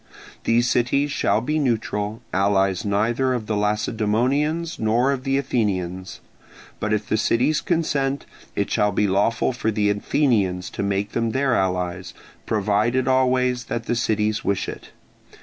These cities shall be neutral, allies neither of the Lacedaemonians nor of the Athenians: but if the cities consent, it shall be lawful for the Athenians to make them their allies, provided always that the cities wish it.